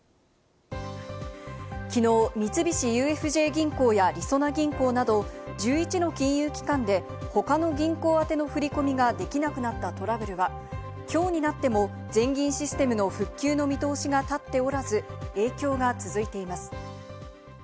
きのう三菱ＵＦＪ銀行や、りそな銀行など１１の金融機関で他の銀行宛ての振り込みができなくなったトラブルはきょうになっても、全銀システムの復旧の見通しが立っておらず、影響が続いています。